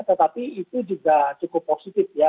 tetapi itu juga cukup positif ya